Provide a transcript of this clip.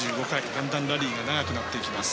だんだん、ラリーが長くなっていきます。